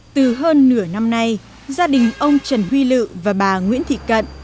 từ hơn nửa năm nay gia đình ông trần huy lự và bà nguyễn thị cận